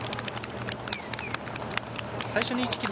最初の１ｋｍ。